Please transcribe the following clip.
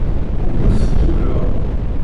Wukud teddukleḍ?